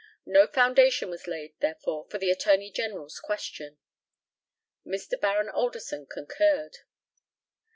No foundation was laid, therefore, for the Attorney General's question. Mr. Baron ALDERSON concurred.